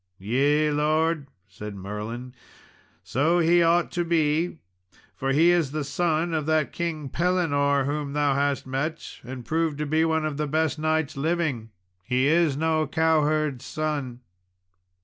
"Yea, lord," said Merlin, "so he ought to be, for he is the son of that King Pellinore whom thou hast met, and proved to be one of the best knights living. He is no cowherd's son."